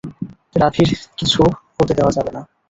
রাভির কিছু হতে দেওয়া যাবে না।